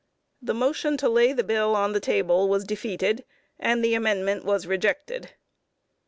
The motion to lay the bill upon the table was defeated, and the amendment was rejected.